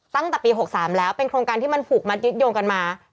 ตั้งแต่ปี๖๓แล้วเป็นโครงการที่มันผูกมัดยึดโยงกันมา